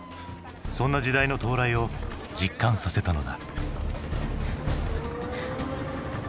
そんな時代の到来を実感させたのだ。